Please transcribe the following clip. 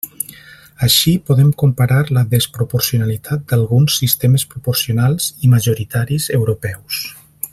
Així, podem comparar la desproporcionalitat d'alguns sistemes proporcionals i majoritaris europeus.